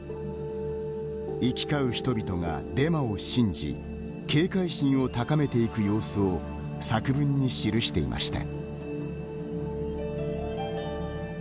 行き交う人々がデマを信じ警戒心を高めていく様子を作文に記していました。